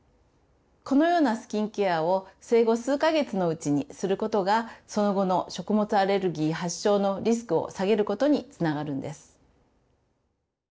このようなスキンケアを生後数か月のうちにすることがその後の食物アレルギー発症のリスクを下げることにつながるんです。